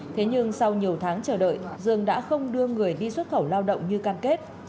thế nhưng sau nhiều tháng chờ đợi dương đã không đưa người đi xuất khẩu lao động như cam kết